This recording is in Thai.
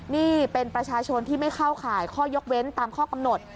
นี่เป็นประชาชนที่ไม่เข้าข่ายข้อยกเว้นตามข้อกำหนด